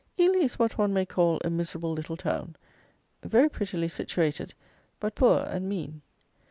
Ely is what one may call a miserable little town: very prettily situated, but poor and mean.